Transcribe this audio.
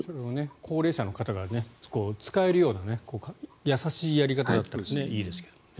高齢者の方が使えるような優しいやり方だったらいいですけどね。